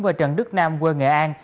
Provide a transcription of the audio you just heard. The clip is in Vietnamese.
và trần đức nam quê nghệ an